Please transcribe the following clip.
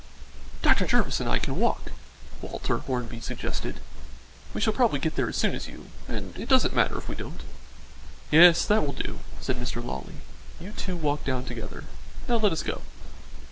"Dr. Jervis and I can walk," Walter Hornby suggested. "We shall probably get there as soon as you, and it doesn't matter if we don't." "Yes, that will do," said Mr. Lawley; "you two walk down together. Now let us go."